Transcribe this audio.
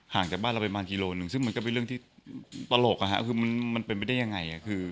ห่างจากบ้านเราไปบางกิโลหนึ่งซึ่งงั้นก็เป็นไปเรื่องที่ตลกเป็นไปได้ยังไง